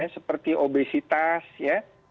seperti obesitas ya